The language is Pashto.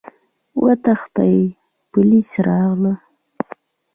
وتښتئ! پوليس راغلل!